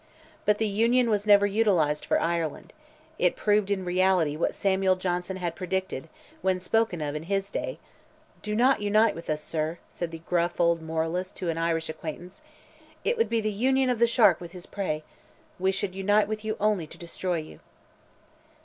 But the Union was never utilized for Ireland; it proved in reality what Samuel Johnson had predicted, when spoken of in his day: "Do not unite with us, sir," said the gruff old moralist to an Irish acquaintance; "it would be the union of the shark with his prey; we should unite with you only to destroy you."